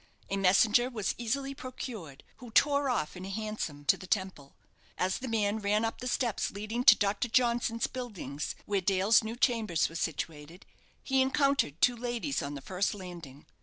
A messenger was easily procured, who tore off in a hansom to the Temple. As the man ran up the steps leading to Dr. Johnson's Buildings, where Dale's new chambers were situated, he encountered two ladies on the first landing.